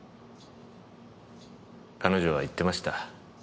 彼女は言ってました。